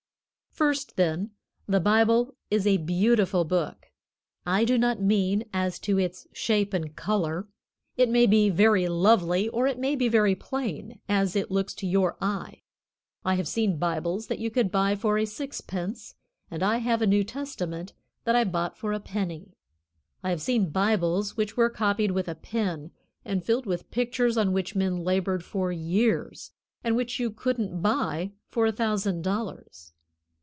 First, then, the Bible is a beautiful book. I do not mean as to its shape and color. It may be very lovely or it may be very plain, as it looks to your eye. I have seen Bibles that you could buy for a sixpence, and I have a New Testament that I bought for a penny. I have seen Bibles which were copied with a pen and filled with pictures on which men labored for years, and which you couldn't buy for a thousand dollars.